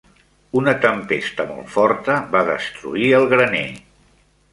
Una tempesta molt forta va destruir el graner.